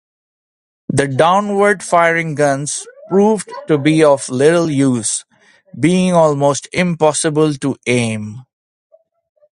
The downward-firing guns proved to be of little use, being almost impossible to aim.